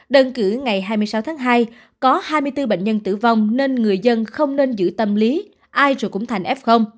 đơn cử ngày hai mươi sáu tháng hai có hai mươi bốn bệnh nhân tử vong nên người dân không nên giữ tâm lý ai rồi cũng thành f